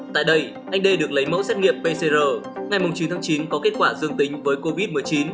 tại đây anh đê được lấy mẫu xét nghiệm pcr ngày chín tháng chín có kết quả dương tính với covid một mươi chín